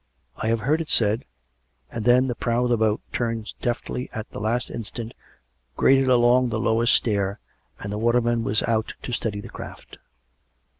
I have heard it said " And then the prow of the boat, turned deftly at the last instant, grated along the lowest stair, and the waterman was out to steady his craft.